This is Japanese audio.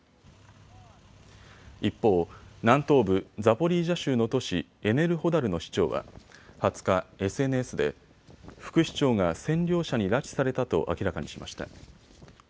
一方、南東部ザポリージャ州の都市、エネルホダルの市長は２０日、ＳＮＳで副市長が占領者に拉致されたと明らかにしました。